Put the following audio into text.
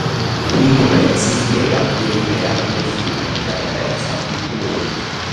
Il nome si spiega dell`urea nel fiume che attraversa il comune.